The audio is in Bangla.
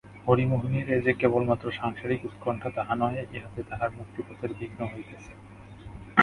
হরিমোহিনীর এ যে কেবলমাত্র সাংসারিক উৎকণ্ঠা তাহা নহে, ইহাতে তাঁহার মুক্তিপথের বিঘ্ন হইতেছে।